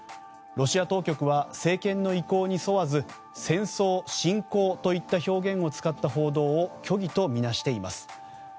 ロシア当局は政権の意向に沿わず戦争、侵攻といった表現を使った報道を虚偽とみなしています。